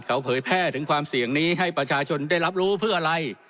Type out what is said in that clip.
เขาเผยแพร่ถึงความเสี่ยงนี้ให้ประชาชนได้รับรู้เพื่ออะไร